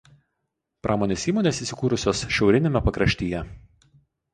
Pramonės įmonės įsikūrusios šiauriniame pakraštyje.